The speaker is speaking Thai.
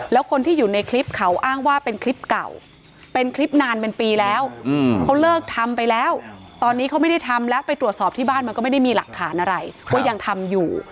แล้วคนที่อยู่ในคลิปเขาอ้างว่าเป็นคลิปเก่าเป็นคลิปนานเป็นปีแล้วเขาเลิกทำไปแล้วตอนนี้เขาไม่ได้ทำแล้วไปตรวจสอบที่บ้านมันก็ไม่ได้มีหลักฐานอะไรว่ายังทำอยู่